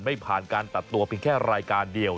ไม่ผ่านการตัดตัวเพียงแค่รายการเดียว